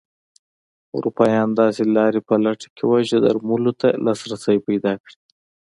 اروپایان داسې لارې په لټه کې وو چې درملو ته لاسرسی پیدا کړي.